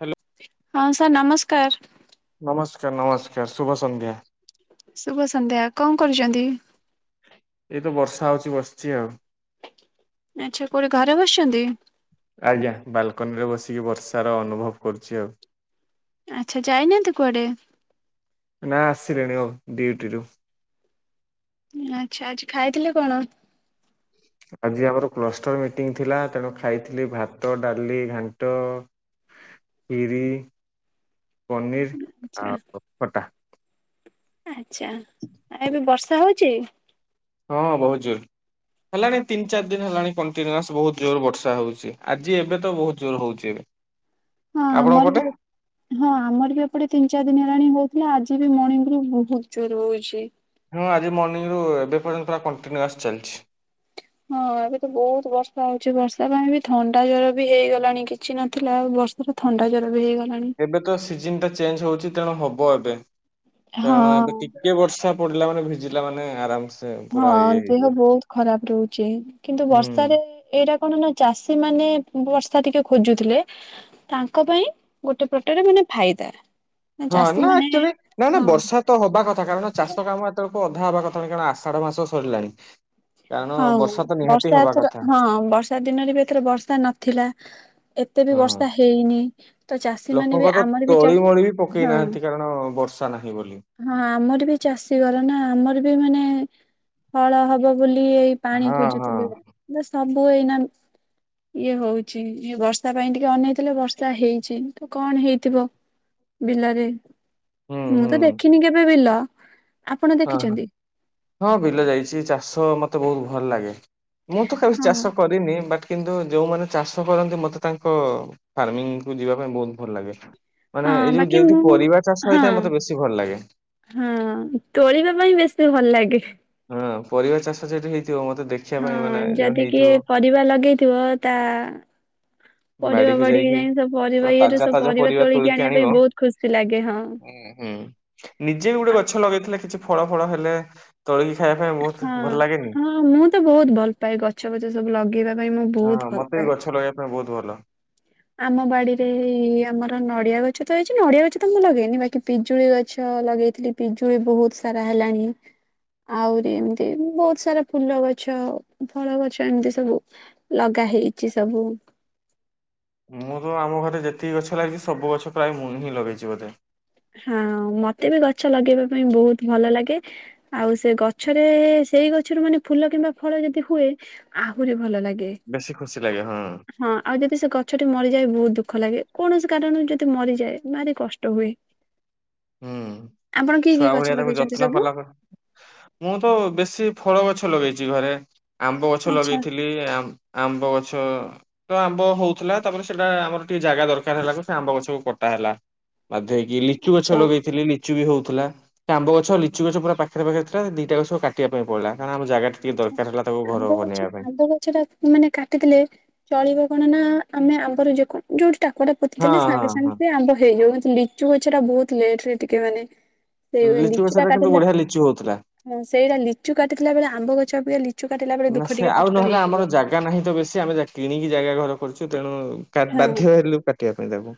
Hello. ହଁ sir ନମସ୍କାର। ନମସ୍କାର, ନମସ୍କାର ଶୁଭ ସନ୍ଧ୍ୟା। ଶୁଭ ସନ୍ଧ୍ୟା କଣ କରୁଛନ୍ତି? ଏଇତ ବର୍ଷା ହଉଛି ବସିଛି ଆଉ। ଆଚ୍ଛା କୋଉଠି ଘରେ ବସିଛନ୍ତି? ଆଜ୍ଞା ବାଲକନି ରେ ବସିକି ବର୍ଷା ର ଅନୁଭବ କରୁଛି ଆଉ। ଆଚ୍ଛା ଯାଇନାହାନ୍ତି କୁଆଡ଼େ? ନା ଆସିଲେଣି ଆଉ ଡ୍ୟୁଟିରୁୁ। ଆଚ୍ଛା ଆଜି ଖାଇଥିଲେ କଣ? ଆଜି ଆମର କ୍ଲଷ୍ଟର ମିଟିଂ ଥିଲା ତେଣୁ ଖାଇଥିଲି ଭାତ, ଡାଲି, ଘାଣ୍ଟ ଖିରି, ପନିର ଆଚ୍ଛା ଆଉ ଖଟା। ଆଚ୍ଛା ଏବେ ବର୍ଷା ହଉଛି? ହଁ ବହୁତ ଜୋରେ। ହେଲାଣି ତିନି ଚାରି ଦିନ ହେଲାଣି କଣ୍ଟିନ୍ୟୁଆସ ବହୁତ ଜୋର ବର୍ଷା ହଉଛି ଆଜି ଏବେ ତ ବହୁତ ଜୋର ହଉଛି ଏବେ। ହଁ ଆପଣଙ୍କ ଆମର ପଟେ? ବି ହଁ ଆମର ବି ଏପଟେ ତିନି ଚାରି ଦିନ ହେଲାଣି ହଉଥିଲା ଆଜି ବି ମର୍ଣିଙ୍ଗ ରୁ ବହୁତ ଜୋର ହଉଛି। ହଁ ଆଜି ମର୍ଣିଂରୁ ଏବେ ପର୍ଯ୍ୟନ୍ତ ପୁରା କଣ୍ଟିନ୍ୟୁଆସ୍ ଚାଲିଛି। ହଁ ଏବେ ତ ବହୁତ ବର୍ଷା ହଉଛି ବର୍ଷା ପାଇଁ ବି ଥଣ୍ଡା ଜର ବି ହେଇଗଲାଣି କିଛି ନଥିଲା ଆଉ ବର୍ଷା ସେୁରା ଥଣ୍ଡା ଜ୍ୱର ବି ହେଇଗଲାଣି। ଏବେ ତ ସିଜନ ଟା ଚେଞ୍ଜ ହଉଛି ତେଣୁ ହବ ଏବେ କାରଣ ଏବେ ହଁ। ଟିକେ ବର୍ଷା ପଡ଼ିଲା ମାନେ ଭିଜିଲା ମାନେ ଆରାମସେ ହଁ ପୁରା ଇଏ ଦେହ ହେଇଯିବ। ବହୁତ ଖରାପ ରହୁଛି କିନ୍ତୁ ହୁଁ। ବର୍ଷାରେ ଏଇଟା କଣ ନା ଚାଷୀ ମାନେ ବର୍ଷା ଟିକେ ଖୋଜୁଥିଲେ ତାଙ୍କ ପାଇଁ ଗୋଟେ ପଟରେ ମାନେ ଫାଇଦା। ହଁ ଚାଷୀ ନା ମାନେ ଆକ୍ଚୁଆଲି ନା ନା ହଁ ବର୍ଷା ତ ହବା କଥା କାରଣ ଚାଷ କାମ ଏତେ ବେଳକୁ ଅଧା ହେବା କଥା ନା କାରଣ ଆଷାଢ଼ ମାସ ସରିଲାଣି। କାରଣ ହଉ ବର୍ଷା ତ ନିହାତି ବର୍ଷା ହବା ଏଥର କଥା ହଁ ବର୍ଷା ଦିନରେ ବି ଏଥର ବର୍ଷା ନଥିଲା ଏତେ ବି ହଁ। ବର୍ଷା ହେଇନି ତ ଚାଷୀ ମାନେ ବି ଲୋକଙ୍କ ତ ଆମର ବି ଚା ତଳି ମଳି ବି ପକେଇ ହଁ ନାହାନ୍ତି କାରଣ ବର୍ଷା ନାହିଁ ବୋଲି। ହଁ ଆମର ବି ଚାଷୀ ଘର ନା ଆମର ବି ମାନେ ହଳ ହବ ବୋଲି ଏଇ ପାଣି ହଁ ହଁ ଖୋଜୁଥିଲେ ସବୁ ଏଇନା ଇଏ ହଉଛି ଇଏ ବର୍ଷା ପାଇଁ ଟିକେ ଅନେଇ ଥିଲେ ବର୍ଷା ହେଇଛି ତ କଣ ହେଇଥିବ ବିଲରେ ହୁଁ ମୁଁ ହୁଁ ତ ଦେଖିନି କେବେ ବିଲ। ଆପଣ ହଁ ହ ଦେଖିଛନ୍ତି? ହଁ ବିଲ ଯାଇଛି ଚାଷ ମତେ ବହୁତ ଭଲ ଲାଗେ। ମୁଁ ତ କେବେ ହଁ ଚାଷ କରିନି ବଟ୍ କିନ୍ତୁ ଯୋଉମାନେ ଚାଷ କରନ୍ତି ମତେ ତାଙ୍କ ଫାର୍ମିଂ କୁ ଯିବା ପାଇଁ ବହୁତ ଭଲ ଲାଗେ। ହଁ ମାନେ ଏଇ ଯୋଉ ବାକି ଯୋଉଠି ମୁଁ ପରିବାର ଚାଷ ହଁ ହେଇଥାଏ ମତେ ବେଶୀ ଭଲ ଲାଗେ। ହଁ ତୋଳିବା ପାଇଁ ବେଶୀ ଭଲ ଲାଗେ। ହଁ ପରିବା ଚାଷ ଯୋଉଠି ହେଇଥିବ ମତେ ଦେଖି ହଁ ଯଦି କିଏ ପରିବା ଲଗେଇଥିବ ତା ପରିବା ବାଡ଼ି କି ଯାଇକି ସେ ପୁରା ପରିବା ଇଏରୁ ସବୁ ପରିବା ତୋଳିକି ଆଣିବା ପାଇଁ ବହୁତ ଖୁସି ହଁ ହୁଁ ନିଜେ ବି ଗୋଟେ ଗଛ ଲଗେଇଥିଲେ କିଛି ଫଳ ଫଳ ହେଲେ ତଳି ଖାଇବା ପାଇଁ [unintelligible] ହଁ ଭଲ ଲାଗେନି? ହଁ ମୁଁ ତ ବୋହୁତ ଭଲ ପାଏ ଗଛ ବଛ ସବୁ ଲଗେଇବା ପାଇଁ ମୁଁ ବୋହୁତ ଭଲ ପାଏ। ବୋହୁତ ଭଲ। ଆମ ବାଡିରେ ଏଇ ଆମର ନଡିଆ ଗଛ ତ ହେଇଛି ନଡିଆ ଗଛ ତ ମୁଁ ଲଗେଇନି ବାକି ପିଜୁଳି ଗଛ ଲଗେଇଥିଲି। ପିଜୁଳି ବୋହୁତ ସାରା ହେଲାଣି। ଆହୁରି ଏମିତି ବୋହୁତ ସାରା ଫୁଲ ଗଛ ଫଳ ଗଛ ଏମିତି ସବୁ। ଲଗା ହେଇଚି ସବୁ। ମୁଁ ତ ଆମ ଘରେ ଯେତିକି ଗଛ ଲାଗିଛି ସବୁ ଗଛ ପ୍ରାୟ ମୁଁ ହିଁ ଲଗେଇଛି ବୋଧେ। ହଁ ମତେ ବି ଗଛ ଲଗେଇବା ପାଇଁ ବୋହୁତ ଭଲ ଲାଗେ। ଆଉ ସେ ଗଛରେ ସେଇ ଗଛରୁ ମାନେ ଫୁଲ କିମ୍ବା ଫଳ ଯଦି ହୁଏ ଆହୁରି ଭଲ ଲାଗେ। ବେଶୀ ଖୁସି ଲାଗେ ହଁ। ହଁ ଆଉ ଯଦି ସେ ଗଛଟି ମରିଯାଏ ବୋହୁତ ଦୁଃଖ ଲାଗେ କୌଣସି କାରଣରୁ ଯଦି ମରିଯାଏ ଭାରି କଷ୍ଟ ହୁଏ। ହୁଁ, ଆପଣ କି କି ଛୁଆ ଗଛ ଭଳିଆ ତାକୁ ଲଗେଇଛନ୍ତି ଯତ୍ନ ସବୁ କଲା ପ ମୁଁ ତ ବେଶୀ ଫଳ ଗଛ ଲଗେଇଚି ଘରେ, ଆମ୍ବ ଗଛ ଆଚ୍ଛା ଲଗେଇଥିଲି, ଆମ୍ୱ ଆମ୍ବ ଗଛ ତ ଆମ୍ବ ହୋଉଥିଲା, ତାପରେ ସେଇଟା ଆମର ଟିକେ ଜାଗା ଦରକାର ହେଲାକୁ, ସେ ଆମ୍ବ ଗଛକୁ କଟା ହେଲା। ବାଧ୍ୟ ହେଇକି ଲିଚୁ ଗଛ ଆଚ୍ଛା ଲଗେଇଥିଲି। ଲିଚୁ ବି ହଉଥିଲା, ଆମ୍ବ ଗଛ ଲିଚୁ ଗଛ ପୁରା ପାଖରେ ପାଖରେ ଥିଲା ଦିଟା ଗଛ କାଟିବା ପାଇଁ ପଡିଲା, କାରଣ ଆମ ଜାଗା ଟିକେ ଦରକାର ହେଲା ତାକୁ ଘରକୁ ବନେଇବା ପାଇଁ। ସେଟା ମାନେ କାଟିଥିଲେ ଚଳିବ କଣ ନା, ଆମେ ଆମର ଯୋଉଠି ଟାକୁଆଟା ହଁ ପୋତିଦେଲେ ସାଙ୍ଗେ ହଁ ସାଙ୍ଗେ ହଁ ସେ ଆମ୍ବ ହେଇଯିବ, ଲିଚୁ ଗଛଟା ବୋହୁତ ଲେଟ ରେ ଟିକେ ମାନେ ସେଇ ଲିଚୁ ଲିଚୁଟା ଗଛଟା କିନ୍ତୁ କାଟିଥିଲା, ବଢିଆ ଲିଚୁ ହଉଥିଲା। ହଁ ସେଇଟା ଲିଚୁ କାଟିଥିଲା ବେଳେ ଆ ଆମ୍ବ ଗଛ ଅପେକ୍ଷା ଲିଚୁ କାଟିଲାବେଳେ ନା ଦୁଃଖ ସେ ଟିକେ ଆଉ କଷ୍ଟ ନହେଲେ ଆମର ହେଇଥିବ। ଜାଗା ନାହିଁ ତ ବେଶି ଆମେ ଯା କିଣିକି ଜାଗା ଘର କରିଛୁ ତେଣୁ ହଁ ବାଧ୍ୟ ହେଲୁ କାଟିବା ପାଇଁ ତାକୁ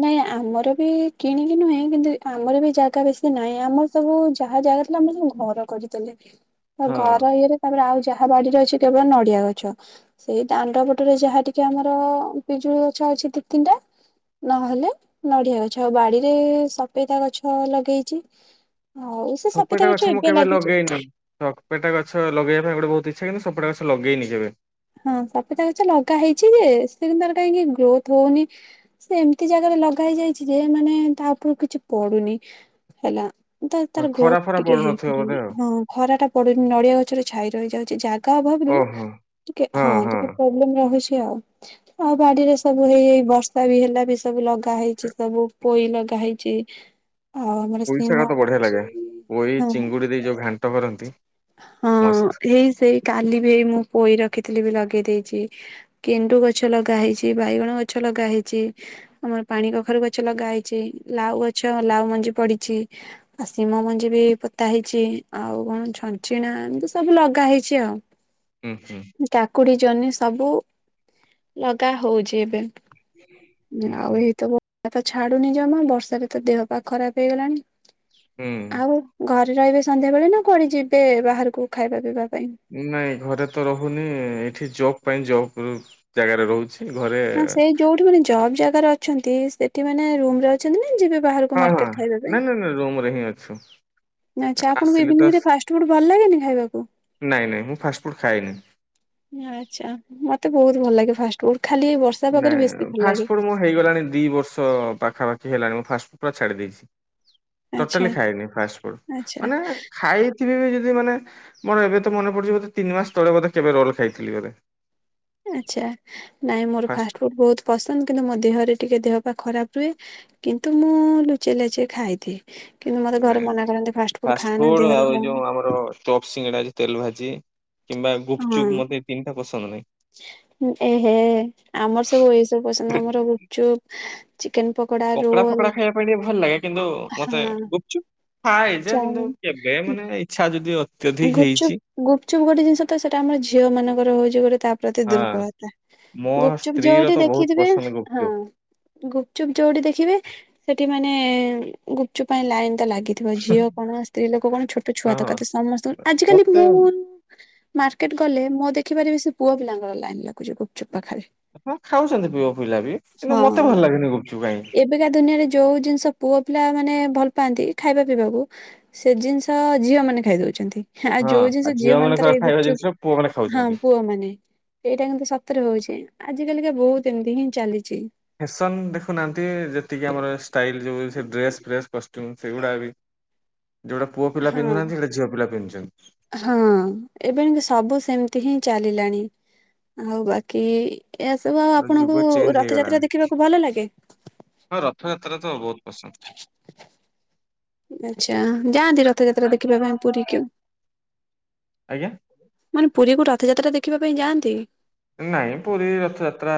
ନାଇଁ ଆମର ବି କିଣିକି ନୁହେଁ କିନ୍ତୁ ଆମର ବି ଜାଗା ବେଶୀ ନାହିଁ, ଆମ ସବୁ ଯାହା ଜାଗା ଥିଲା, ଆମର ସବୁ ଘର କରିଦେଲେ ଆଉ ହଁ। ଘର ଇଏରେ ତାପରେ ଆଉ ଯାହା ବାଡିରେ ଅଛି କେବଳ ନଡିଆ ଗଛ, ସେଇ ଦାଣ୍ଡ ପଟରେ ଯାହା ଟିକେ ଆମର ପିଜୁଳି ଗଛ ଅଛି ଦି ତିନିଟା ନହେଲେ ନଡିଆ ଗଛ ଆଉ ବାଡିରେ ସଫେଈତା ଗଛ ଲଗେଇଚି। ଆଉ ସେ ସପେଟା ସଫିତା ଗଛ ମୁଁ ଏବେ କେବେ ଲାଗିଛି ଲଗେଇନି। ସପେଟା ଗଛ ଲଗେଇବା ପାଇଁ ଗୋଟେ ବହୁତ ଇଚ୍ଛା କିନ୍ତୁ ସେପଟା ଗଛ ଲଗେଇନି କେବେ। ହଁ ସପେତା ଗଛ ଲଗା ହେଇଛି ଯେ ସେ କିନ୍ତୁ ତାର କାହିଁକି ଗ୍ରୋଥ ହଉନି। ସେ ଏମିତି ଜାଗାରେ ଲଗା ହେଇ ଯାଇଛି ଯେ ମାନେ ତା ଉପରୁ କିଛି ପଡୁନି ହେଲା। ତ ତାର ଖରା ଗ୍ରୋଥ ଫରା ଟିକେ ପଡୁନଥିବ ବୋଧେ ହେଇପାରେନି, ଆଉ। ହଁ ଖରା ଟା ପଡୁନି ନଡିଆ ଗଛରେ ଛାଇ ରହି ଯାଉଛି ଜାଗା ଅଭାବରୁ ଓହୋ ଟିକେ ହଁ ଟିକେ ପ୍ରୋବ୍ଲେମ ରହୁଛି ଆଉ ଆଉ ବାଡିରେ ସବୁ ହେଇ ଏଇ ବର୍ଷା ବି ହେଲା ବି ସବୁ ଲଗା ଲଗା ହେଇଚି ସବୁ, ପୋଇ ଲଗା ହେଇଚି। ପୋଇସାଗ ତ ବଢିଆ ଲାଗେ, ପୋଇ ହଁ ଚିଙ୍ଗୁଡ଼ି ଦେଇ ଯୋଉ ଘାଣ୍ଟ କରନ୍ତି। ହଁ ମସ୍ତ। ଏଇ ସେଇ କାଲି ବି ହେଇ ମୁଁ ପୋଇ ରଖିଥିଲି ବି ଲଗେଇ ଦେଇଚି। ଗେଣ୍ଡୁ ଗଛ ଲଗା ହେଇଚି, ବାଇଗଣ ଗଛ ଲଗା ହେଇଚି। ଆମର ପାଣି କଖାରୁ ଗଛ ଲଗା ହେଇଚି, ଲାଉ ଗଛ ଲାଉ ମଞ୍ଜି ପଡିଚି। ଆଉ ଶିମ ମଞ୍ଜି ବି ପୋତା ହେଇଚି, ଆଉ କଣ ଛନ୍? ଛଞ୍ଚିଣା ଏମିତି ସବୁ ଲଗା ହେଇଚି ଆଉ ହୁଁ ହୁଁ। କାକୁଡି ଜହ୍ନି ସବୁ ଲଗା ହଉଚି ଏବେ। ହୁଁ ହୁଁ। ଆଉ ଏଇତ ବର୍ଷା ତ ଛାଡୁନି ଜମା, ବର୍ଷାରେ ତ ଦେହ ପା ଖରାପ ହେଇଗଲାଣି। ହୁଁ ଆଉ ଘରେ ରହିବେ ସନ୍ଧ୍ୟା ବେଳେ ନା କୁଆଡେ ଯିବେ ବାହାରକୁ ଖାଇବା ପିଇବା ପାଇଁ? ନାଇଁ ଘରେ ତ ରହୁନି ଏଠି ଜବ ପାଇଁ ଜବ୍ ଜାଗାରେ ରହୁଛି। ଘରେ ହଁ ସେଇ ଯୋଉଠି ମାନେ ଜବ୍ ଜାଗାରେ ଅଛନ୍ତି। ସେଠି ମାନେ ରୁମ୍ ରେ। ଅଛନ୍ତି ନା ଯିବେ ବାହାରକୁ ମାର୍କେଟ ଖାଇବା ପାଇଁ? ରୁମ୍ ରେ ହିଁ ଅଛୁ। ନା ଆଛା ଆପଣଙ୍କୁ ଆସିଲି ତ ଇଭିନିରେ ଫାଷ୍ଟ ଫୁଡ ଭଲ ଲାଗେନି ଖାଇବାକୁ? ନାଇଁ ନାଇଁ ମୁଁ ଫାଷ୍ଟ ଫୁଡ ଖାଏନି। ଆଛା ମତେ ବହୁତ ଭଲ ଲାଗେ। ଫାଷ୍ଟ ଖାଲି ବର୍ଷା ପାଗରେ ନାଇଁ ବେଶୀ ଭଲ ଲାଗେ। ଫାଷ୍ଟଫୁଡ ମୁଁ ହେଇଗଲାଣି ଦି ବର୍ଷ ପାଖାପାଖି ହେଲାଣି ମୁଁ ଫାଷ୍ଟଫୁଡ ପୁରା ଛାଡି ଦେଇଛି। ଆଚ୍ଛା ଟୋଟଲି ଖାଇନି ଫାଷ୍ଟ ଫୁଡ ଆଚ୍ଛା। ମାନେ ଖାଇ କେବେବି ଯଦି ମାନେ ମର ଏବେ ତ ମନେ ପଡୁଛି ବୋଧେ ତିନି ମାସ ତଳେ ବୋଧେ କେବେ ରୋଲ ଖାଇଥିଲ ବୋଧେ। ଆଛା ନାଇଁ ମୋର ଫାଷ୍ଟ ଫାଷ୍ଟଫୁଡ ବହୁତ ପସନ୍ଦ କିନ୍ତୁ ମୋ ଦେହରେ ଟିକେ ଦେହ ପା ଖରାପ ରୁହେ। କିନ୍ତୁ ମୁଁ ଲୁଚେଇ ଲାଚେଇ ଖାଇଦିଏ। କିନ୍ତୁ ମୋତେ ଘରେ ନାଇଁ ମନା କରନ୍ତି ଫାଷ୍ଟଫୁଡ୍ ଖାଆ ନା। ଦେହରେ ଯାଉ ଚପ ସିଙ୍ଗଡା ତେଲ ଭାଜି କିମ୍ବା ହଁ ଗୁପଚୁପ ମୋତେ ଏ ତିନିଟା ପସନ୍ଦ ନାହିଁ। ଏହେ ଆମର ସବୁ ଏଇ ସବୁ ପସନ୍ଦ। ଆମର ଗୁପଚୁପ, ଚିକେନ ପ ପକଡା ଫକଡା ଖାଇବା ପାଇଁ ଟିକେ ଭଲ ଲାଗେ। କିନ୍ତୁ ମତେ ହଁ ଗୁପ୍ ଚୁପ୍ ଖାଏ ଯେ କିନ୍ତୁ ଚାଉମିନ କେବେ ମାନେ ଇଛା ଯଦି ଅଛି। ଗୁପ୍ ଚୁପ୍ ଗୁପ୍ ଚୁପ୍ ଗୋଟେ ଜିନିଷ ତ ସେଟା ଆମର ଝିଅ ମାନଙ୍କର ହଉଛି ଗୋଟେ ତା ପ୍ରତି ହଁ ଦୁର୍ବଳତା ମୋ ଗୁପ୍ ଚୁପ୍ ସ୍ତ୍ରୀ ର ଯୋଉଠି ତ ବହୁତ ଦେଖିଥିବେ ପସନ୍ଦ ହଁ। ଗୁପଚୁପ୍ ଗୁପ୍ ଚୁପ୍ ଯୋଉଠି ଦେଖିବେ ସେଠି ମାନେ ଗୁପ୍ ଚୁପ୍ ପାଇଁ ଲାଇନ ତ ଲାଗେ। ଥିବା ଝିଅ କଣ ସ୍ତ୍ରୀ ଲୋକ କଣ ଛୋଟ ଛୁଆ ହଁ ହଁ ତକ ସମସ୍ତଙ୍କୁ ଆଜିକାଲି ମତେ ମୁଁ ମାର୍କେଟ ଗଲେ ମୁଁ ଦେଖିପାରିବି ସେ ପୁଅ ପିଲାଙ୍କର ଲାଇନ ଲାଗୁଛି ଗୁପ୍ ଚୁପ୍ ପାଖରେ। ହଁ ଖାଉଛନ୍ତି ପିଅ ପିଲା ବି କିନ୍ତୁ ମତେ ଭଲ ଲାଗେନି ଗୁପ୍ ଚୁପ୍ କାଇଁ। ଅବେକା ଦୁନିଆରେ ଯୋଉ ଜିନିଷ ପୁଅ ପିଲା ମାନେ ଭଲ ପାଆନ୍ତି ଖାଇବା ପିଇବାକୁ ସେ ଜିନିଷ ଝିଅ ମାନେ ଖାଇଦଉଛନ୍ତି। ଆଉ ହଁ ଯୋଉ ଆଉ ଜିନଷ ଝିଅ ମାନେ ମାନଙ୍କର ତାର ଏଇ ଗୁପ୍ ଖାଇବା ଚୁପ୍ ଜିନିଷ ପୁଅ ମାନେ ହଁ ଖାଉଛନ୍ତି। ପୁଅ ମାନେ। ଏଇଟା କିନ୍ତୁ ସତରେ ହଉଛି ଆଜି କାଲିକା ବହୁତ ଏମିତି ହିଁ ଚାଲିଛି। ଫ୍ୟାସନ୍ ଦେଖୁନାହାନ୍ତି ଯେତିକି ଆମର ଷ୍ଟାଇଲ ଯେଉଁ ସେ ଡ୍ରେସ୍ ଫ୍ରେସ୍ କଷ୍ଟ୍ୟୁମ୍ ସେଗୁଡ଼ା ବି ଯୋଉଟା ପୁଅ ପିଲା ହଁ ପିନ୍ଧୁନାହାନ୍ତି ସେଇଟେ ଝିଅ ପିଲା ପିନ୍ଧୁଛନ୍ତି। ହଁ ଏବେ ଯେମିତି ସବୁ ସେମିତି ହିଁ ଚାଲିଲାଣି ଆଉ ବାକି ଏହା ସବୁ ଆଉ ପୁରା ଯୁଗ ଆପଣଙ୍କୁ ଚେଞ୍ଜ ହେଇଗଲାଣି ରଥଯାତ୍ରା ଦେଖିବାକୁ ଭଲ ଲାଗେ? ହଁ ରଥଯାତ୍ରା ତ ବହୁତ ପସନ୍ଦ। ଆଚ୍ଛା ଯାଆନ୍ତି ରଥଯାତ୍ରା ଦେଖିବା ପାଇଁ ପୁରୀକୁ। ଆଜ୍ଞା ମାନେ ପୁରୀକୁ ରଥଯାତ୍ରା ଦେଖିବା ପାଇଁ ଯାଆନ୍ତି? ନାଇଁ ପୁରୀ ରଥଯାତ୍ରା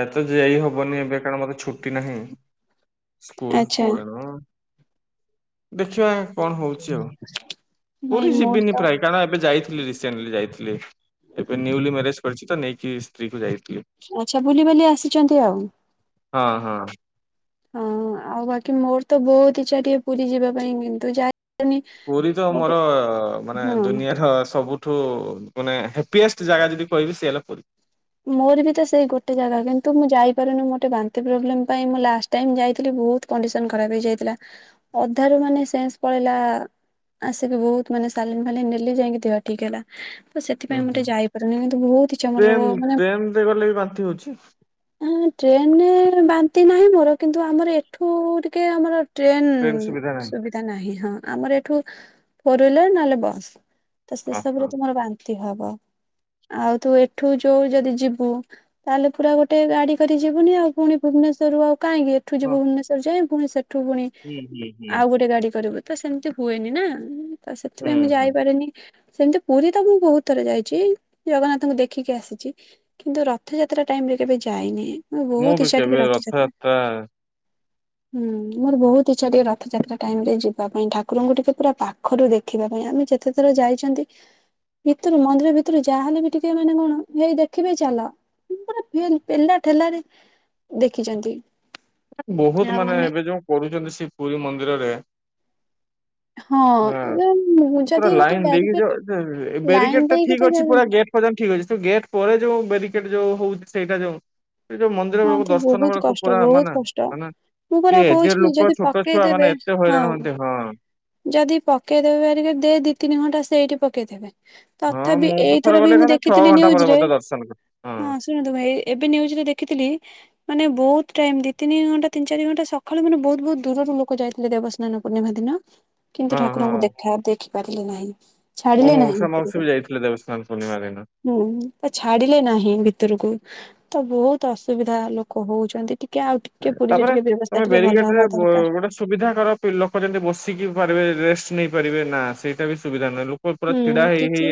ଏ ତ ଯାଇ ହବନି ଏବେ କାରଣ ମତେ ଛୁଟି ନାହିଁ। ସ୍କୁଲ ଆଚ୍ଛା କାରଣ। ଦେଖିବା କଣ ହଉଛି ଆଉ ନାଇଁ ପୁରୀ ମୋର ତ ଯିବିନି ପ୍ରାୟ। କାରଣ ଏବେ ଯାଇଥିଲି ରିସେଣ୍ଟଲି ଯାଇଥିଲି ଏବେ ନିଉଲି ମ୍ୟାରେଜ କରିଛି ତ ନେଇକି ସ୍ତ୍ରୀକୁ ଯାଇଥିଲି। ଆଚ୍ଛା ବୁଲିିବାଲି ଆସିଛନ୍ତି ଆଉ। ହଁ ହଁ। ହଁ ଅ ଆଉ ବାକି ମୋର ତ ବହୁତ ଇଛା ଟିଏ ପୁରୀ ଯିବା ପାଇଁ କିନ୍ତୁ ଯା ପୁରୀ ତ ମୋର ମାନେ ହଁ। ଦୁନିଆର ସବୁ ଠୁ ମାନେ ହ୍ୟାପିଏଷ୍ଟ ଜାଗା ଯଦି କହିବି ସେ ହେଲା ପୁରୀ। ମୋର ବି ତ ସେଇ ଗୋଟେ ଜାଗା କିନ୍ତୁ ମୁଁ ଯାଇପାରୁନି ଗୋଟେ ବାନ୍ତି ପ୍ରୋବ୍ଲେମ ପାଇଁ ମୁଁ ଲାଷ୍ଟ ଯାଇଥିଲି ବହୁତ କଣ୍ଡିସନ ଖରାପ ହେଇଯାଇଥିଲା ଅଧାରୁ ମାନେ ପଳେଇଲା। ଆସିକି ବହୁତ ମାନେ ସାଲିନ୍ ଫାନିଲ ନେଲି ଯାଇକି ଦେହ ଠିକ୍‌ ହେଲା। ତ ଉୁଁ ସେଥିପାଇଁ ମୁଁ ଟେ ଯାଇପାରୁନି କିନ୍ତୁ ବହୁତ ଇଛି ମୋର। ମାନେ ଟେନ୍‌ରେ ଗଲେ ବି ବାନ୍ତି ହଉଛି? ଟ୍ରେନ୍‌ରେ ବାନ୍ତି ନାହିଁ ମୋର। କିନ୍ତୁ ଆମର ଏଠୁ ଟିକେ ଆମର ଟ୍ରେନ ସୁବିଧା ନାହିଁ। ଟ୍ରେନ୍‌ସୁବିଧା ନାହିଁ ହଁ ଆମର ଏଠୁ ଫୋର ହୁଇଲାର ନହେଲେ ବସ୍। ତ ଆଚ୍ଛା। ସେସବୁରେ ତୁମର ବାନ୍ତି ହବ ଆଉ ତୁ ଏଠୁ ଯୋଉ ଯଦି ଯିବୁ ତାହେଲେ ପୁରା ଗୋଟେ ଗାଡି କରି ଯିବୁନି ଆଉ ପୁଣି ଭୁବନେଶ୍ଵରରୁ ଆଉ କାହିଁକି ଏଠୁ ହଁ। ଯିବୁ ଭୁବନେଶ୍ୱର ଯାଏ ପୁଣି ସେଠୁ ପୁଣି ହୁଁ ହୁଁ ହୁଁ ଆଉ ଗୋଟେ ଗାଡି କରିବୁ। ତ ସେମିତି ହୁଏନି ନା ତ ହୁଁ ସେଥିପାଇଁ ମୁଁ ହୁଁ। ଯାଇପାରେନି। ସେମିତି ପୁରୀ ତ ମୁଁ ବହୁତ ଥର ଯାଇଚି ଜଗନ୍ନାଥଙ୍କୁ ଦେଖିକି ଆସି ଚି କିନ୍ତୁ ରଥଯାତ୍ରା ଟାଇମରେ କେବେ ଯାଇନି। ମୋର ମୁଁ ବହୁତ ବି ଇଚ୍ଛା ଟିକେ କେବେ ରଥଯାତ୍ରା ହୁଁ ମୋର ବହୁତ ଇଚ୍ଛା ଟିକେ ରଥଯାତ୍ରା ଟାଇମ ରେ ଯିବା ପାଇଁ ଠାକୁରଙ୍କୁ ଟିକେ ପୁରା ପା ଖରୁ ଦେଖିବା ପାଇଁ। ଆମେ ଯେତେଥର ଯାଇଚନ୍ତି ଭିତରୁ ମନ୍ଦିର ଭିତରୁ ଯାହା ହେଲେ ବି ଟିକେ ମାନେ କଣ ହେଇ ଦେଖିବେ ଚାଲ ମୁଁ ପୁରା ଫେଲ୍ ପେଲା ଠେଲାରେ ଦେଖିଚନ୍ତି। ବହୁତ ମାନେ ଏବେ ଯେଉଁ କରୁଚନ୍ତି ସେ ପୁରୀ ମନ୍ଦିରରେ। ହ ହଁ ପୁରା ଯଦି ଗୋଟେ ଲାଇନ୍ ଦେଇକି ବ୍ୟାରିକେଟ ଯୋଉ ଯ-ଯ ଲାଇନ ବ୍ୟାରିକେଡ ଟା ଦେଇକି ଠିକ ଅଛି ତ ପୁରା ଗେଟ୍ ପର୍ଯ୍ୟନ୍ତ ଠିକ୍ ଅଛି। ତ ଗେଟ୍ ପରେ ଯୋଉ ବେରିକେଟ୍ ଯୋଉ ହଉଛି ସେଇଟା ଯୋଉଁ ସେଇ ଯୋଉ ମନ୍ଦିର ହଁ ବେଳକୁ ତ ଦର୍ଶନ ବହୁତ ବେଳକୁ କଷ୍ଟ ପୁରା ବହୁତ ମାନେ କଷ୍ଟ ମାନେ ମୁଁ ପରା ଟିଏ ଏଜେଡ୍ ଯେ କହୁଛି ଲୋକ ଯଦି ଛୋଟ ଛୁଆ ପକେଇଦେବେ ମାନେ ଏତେ ହଁ ହଇରାଣ ହୁଅନ୍ତି ହଁ। ଯଦି ପକେଇ ଦେବେ ବ୍ୟାରିକେଟ୍ ଦେ ଦି ତିନି ଘଣ୍ଟା ସେଇଠି ପକେଇଦେବେ। ହଁ ତଥାପି ମୁଁ ତ ଥରେ ଏଇଥର ବି ଗଲେ ମୁଁ ଏକାଥରେ ଛଅ ଦେଖିଥିଲି ଘଣ୍ଟା ପରେ ନିୟୁଜରେ ମତେ ଦର୍ଶନ କରି ହଁ ଶୁଣନ୍ତୁ ଭାଇ ଏବେ ନିୟୁଜରେ ଦେଖିଥିଲି। ମାନେ ବହୁତ ଟାଇମ୍ ଦି ତିନି ଘଣ୍ଟା ତିନ ଚାରି ଘଣ୍ଟ ସକାଳୁ ମାନେ ବହୁତ ବହୁତ ଦୂରରୁ ଲୋକ ଯାଇଥିଲେ ଦେବସ୍ନାନ ପୂର୍ଣ୍ଣିମା ଦିନ। କିନ୍ତୁ ହଁ ଠାକୁରଙ୍କୁ ହଁ। ଦେଖା ଦେଖି ପାରିଲେ ନାହିଁ ମୋ ଛାଡିଲେ ନାହିଁ ମଉସା ମାଉସୀ ଭିତକୁ। ବି ଯାଇଥିଲେ ଦେବସ୍ନାନ ପୂର୍ଣ୍ଣିମା ଦିନ ହୁଁ ତ ଛାଡିଲେ ନାହିଁ ଭିତରକୁ ତ ବହୁତ ଅସୁବିଧା ଲୋକ ହଉଚନ୍ତି। ଟିକେ ଆଉ ଟିକେ ତା ପୁରୀରେ ପରେ ଟିକେ ବ୍ୟବସ୍ଥା ତମେ ଟିକେ ଭଲ ବେରିଗେଟରେ ହବା ବ ଦରକାର ଗୋଟେ ସୁବିଧା କର। ପି ଲୋକ ଯେମିତି ବସିକି ପାରିବେ ରେଷ୍ଟ ନେଇପାରିବେ ନା ସେଇଟା ବି ସୁବିଧା ନୁହେଁ। ଲୋ ହୁଁ କିଛି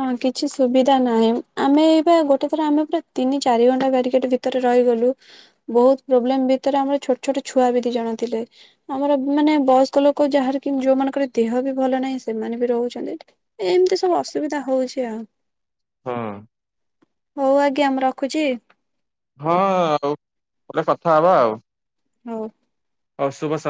ହଁ କିଛି ସୁବିଧା ନାହିଁ। ଆମେ ଏଇ ପା ଗୋଟେ ଥର ଆମେ ପୁରା ତିନି ଚାରି ଘଣ୍ଟା ଵ୍ୟାରିକେଟ୍ ଭିତ ତରେ ରହିଗଲୁ। ବହୁତ ପ୍ରୋବ୍ଲେମ ଭିତରେ ଆମର ଛୋଟ ଛୋଟ ଛୁଆ ବି ଦି ଜଣ ଥିଲେ। ଆମର ମାନେ ବୟସ୍କ ଲୋକ ଯାହାର କି ଯୋଉମାନଙ୍କର ଦେହ ବି ଭଲ ନାହିଁ ସେମାନେ ବି ରହୁ ଚନ୍ତି ଏମିତି ସବୁ ଅସୁବିଧା ହଉଚି ଆଉ। ହଁ। ହଉ ଆଜ୍ଞା ମୁଁ ରଖୁଚି? ହଁ ଆଉ ପରେ କଥା ହବା ଆଉ। ହଉ। ହଉ ଶୁଭ ସମ